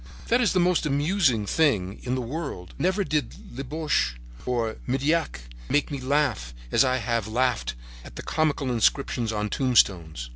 That is the most amusing thing in the world. Never did Labiche or Meilhac make me laugh as I have laughed at the comical inscriptions on tombstones.